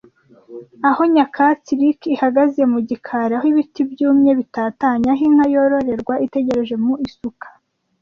Aho nyakatsi-rick ihagaze mu gikari, aho ibiti byumye bitatanye , aho inka-yororerwa itegereje mu isuka,